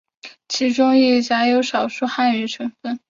其中亦可能夹有少数汉语成分。